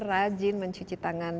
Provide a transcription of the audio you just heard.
rajin mencuci tangan